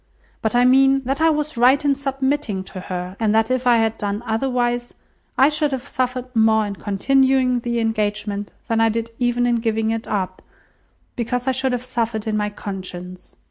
But I mean, that I was right in submitting to her, and that if I had done otherwise, I should have suffered more in continuing the engagement than I did even in giving it up, because I should have suffered in my conscience.